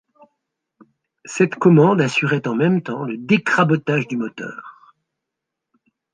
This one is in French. Cette commande assurait en même temps le décrabotage du moteur.